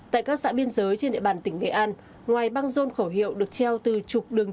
tại các xã biên giới trên địa bàn tỉnh nghệ an ngoài băng rôn khẩu hiệu được treo từ trục đường